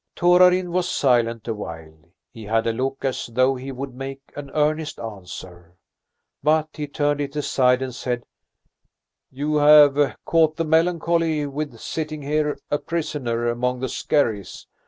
Torarin was silent awhile. He had a look as though he would make an earnest answer. But he turned it aside and said: "You have caught the melancholy with sitting here a prisoner among the skerries.